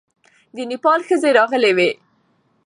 د نېپال ښځې راغلې وې.